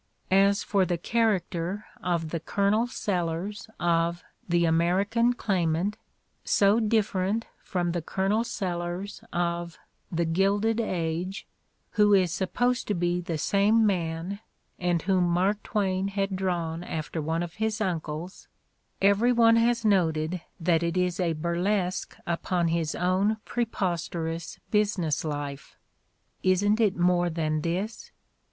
As for the character of the Colonel Sellers of "The American Claimant" — so different from the Colonel Sellers of "The Gilded Age," who is supposed to be the same man and whom Mark Twain had drawn after one of his uncles — every one has noted that it is a bur lesque upon his own preposterous business life. Isn't it more than this?